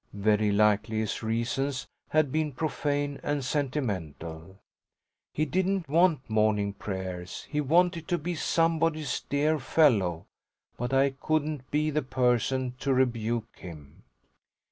Very likely his reasons had been profane and sentimental; he didn't want morning prayers, he wanted to be somebody's dear fellow; but I couldn't be the person to rebuke him.